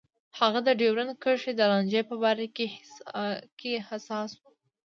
هغه د ډیورنډ کرښې د لانجې په باره کې حساس و.